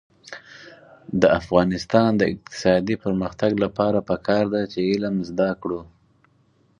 د افغانستان د اقتصادي پرمختګ لپاره پکار ده چې علم زده کړو.